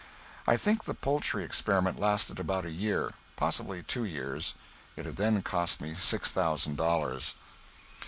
I think the poultry experiment lasted about a year, possibly two years. It had then cost me six thousand dollars.